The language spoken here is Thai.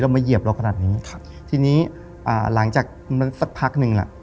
มาเหยียบเราขนาดนี้ครับทีนี้อ่าหลังจากมันสักพักหนึ่งล่ะ